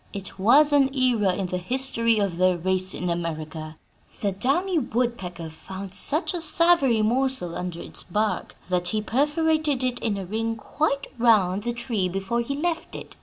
It was an era in the history of their race in America. The downy woodpecker found such a savory morsel under its bark that he perforated it in a ring quite round the tree before he left it.